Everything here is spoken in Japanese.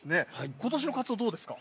ことしのかつお、どうですか。